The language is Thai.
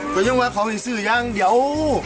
ก็ยังว่าขอให้ซื้อยังเดี๋ยว